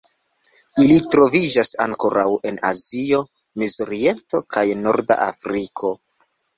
Ili troviĝas ankoraŭ en Azio, Mezoriento kaj Norda Afriko.